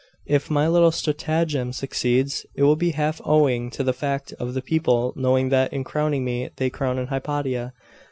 If my little stratagem succeeds, it will be half owing to the fact of the people knowing that in crowning me, they crown Hypatia....